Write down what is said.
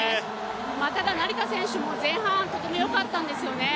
ただ成田選手も前半、とてもよかったんですよね。